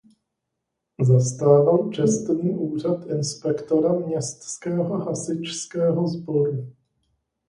Zastával čestný úřad inspektora městského hasičského sboru.